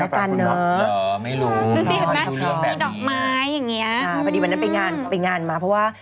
โอเคนี่คุณเก่งมาบอก